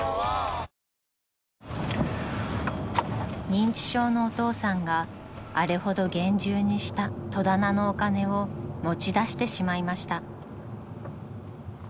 ［認知症のお父さんがあれほど厳重にした戸棚のお金を持ち出してしまいました］